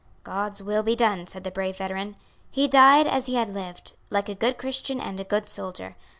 "God's will be done," said the brave veteran. He died as he had lived, like a good Christian and a good soldier.